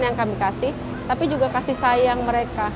yang kami kasih tapi juga kasih sayang mereka